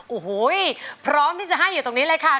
โอ้โหพร้อมที่จะให้อยู่ตรงนี้เลยค่ะ